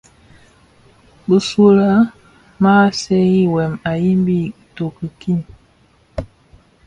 Bisulè maa seňi wêm a yibi itoki kii.